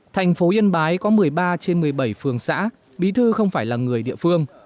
thành phố yên bái có một mươi ba trên một mươi bảy phường xã bí thư không phải là người địa phương